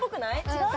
違う？